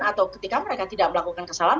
atau ketika mereka tidak melakukan kesalahan